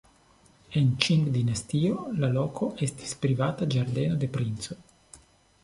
En Ĉing-dinastio la loko estis privata ĝardeno de princo.